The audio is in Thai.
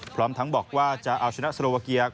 พร้อมทั้งบอกว่าจะเอาชนะศิลปกรียะ